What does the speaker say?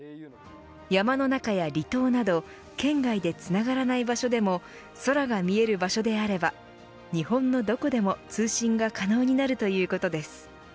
山の中や離島など圏外でつながらない場所でも空が見える場所であれば日本のどこでも通信が可能になるということです。